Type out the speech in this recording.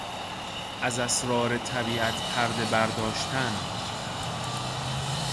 از اسرار طبیعت پردهبرداشتن